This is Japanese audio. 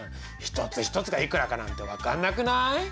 一つ一つがいくらかなんて分かんなくない？